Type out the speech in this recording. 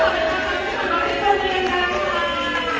ขอบคุณภาพให้กับคุณผู้ฝ่าย